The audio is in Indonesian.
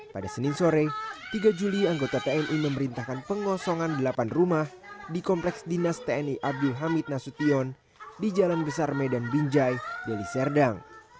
pada senin sore tiga juli anggota tni memerintahkan pengosongan delapan rumah di kompleks dinas tni abdul hamid nasution di jalan besar medan binjai deliserdang